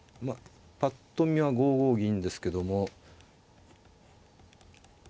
ぱっと見は５五銀ですけども。